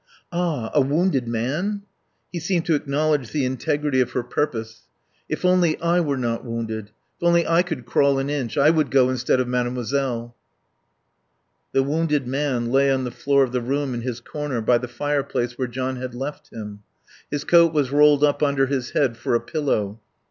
"Ah h A wounded man?" He seemed to acknowledge the integrity of her purpose. "If only I were not wounded, if only I could crawl an inch, I would go instead of Mademoiselle." The wounded man lay on the floor of the room in his corner by the fireplace where John had left him. His coat was rolled up under his head for a pillow.